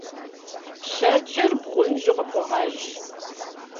Щэкӏыр бгъунжу къыпыгъэж.